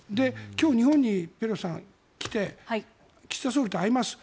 今日、日本にペロシさんが来て岸田総理と会います。